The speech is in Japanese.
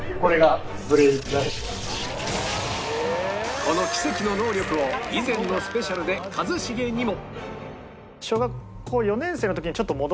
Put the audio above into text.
この奇跡の能力を以前のスペシャルで一茂にも